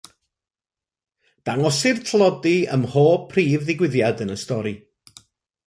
Dangosir tlodi ym mhob prif ddigwyddiad yn y stori.